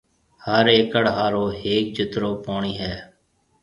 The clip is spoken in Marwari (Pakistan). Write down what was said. هر ايڪڙ هارون هيَڪجترو پوڻِي هيَ۔